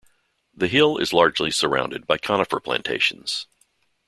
The hill is largely surrounded by conifer plantations.